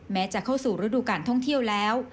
จะเข้าสู่ฤดูการท่องเที่ยวแล้ว